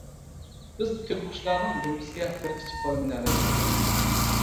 بىز تۆگىقۇشلارنىڭ دۈمبىسىگە بىر كىچىك بالا مىنەلەيدۇ!